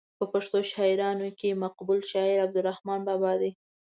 په پښتو شاعرانو کې مقبول شاعر عبدالرحمان بابا دی.